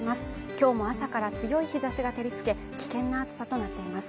今日も朝から強い日差しが照りつけ危険な暑さとなっています